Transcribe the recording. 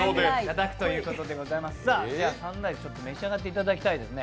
では、サンライズ、召し上がっていただきたいですね。